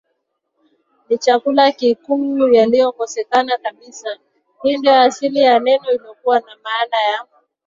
ni chakula kikuu yalikosekana kabisa Hii ndio asili ya neno ikiwa na maana ya